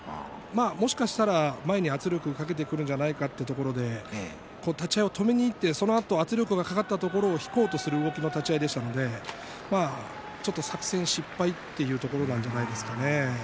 もしかしたら前に圧力をかけてくるんじゃないかというところで立ち合いを止めにいってそのあと圧力がかかったところを引こうとする立ち合いでしたのでちょっと作戦失敗というところじゃないですかね。